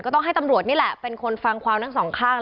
ต้องให้ตำรวจนี่แหละเป็นคนฟังความทั้งสองข้าง